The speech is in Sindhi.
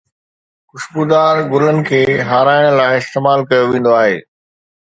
خوشبودار گلن کي هارائڻ لاءِ استعمال ڪيو ويندو آهي.